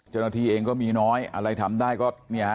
เจ้าหน้าทีเองก็มีน้อยอะไรทำได้ก็